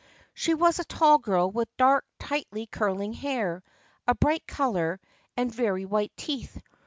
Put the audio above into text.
She was a tall girl with dark, tightly curling hair, a bright color and very white teeth.